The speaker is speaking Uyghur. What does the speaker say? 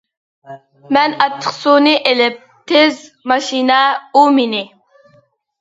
-مەن ئاچچىقسۇنى ئېلىپ، تېز. ماشىنا. ئۇ مېنى.